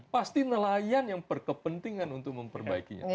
pasti nelayan yang berkepentingan untuk memperbaikinya